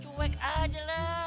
cuek aja lah